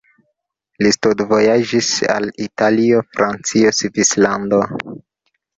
Li studvojaĝis al Italio, Francio, Svislando.